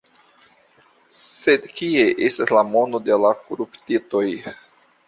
Sed kie estas la mono de la koruptitoj?